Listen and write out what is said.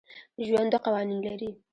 ژوند دوه قوانین لري.